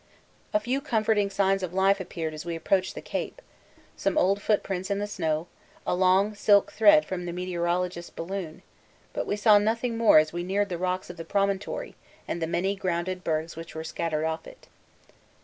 A few comforting signs of life appeared as we approached the Cape; some old footprints in the snow, a long silk thread from the meteorologist's balloon; but we saw nothing more as we neared the rocks of the promontory and the many grounded bergs which were scattered off it.